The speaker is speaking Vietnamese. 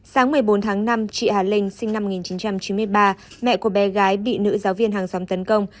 sáng một mươi bốn tháng năm chị hà linh sinh năm một nghìn chín trăm chín mươi ba mẹ của bé gái bị nữ giáo viên hàng xóm tấn công